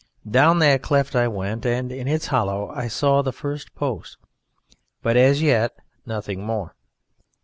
Down that cleft I went, and in its hollow I saw the first post, but as yet nothing more.